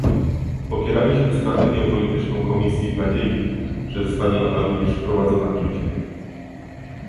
Popieraliśmy strategię polityczną Komisji w nadziei, że zostanie ona również wprowadzona w życie